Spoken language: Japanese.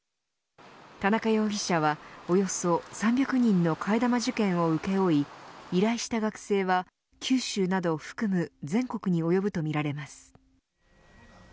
田中容疑者は、およそ３００人の替え玉受験を請け負い依頼した学生は九州などを含む全国に及ぶとみられます。